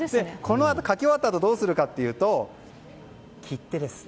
書き終わったあとどうするかというと、切手です。